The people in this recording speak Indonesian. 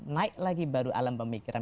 naik lagi baru alam pemikiran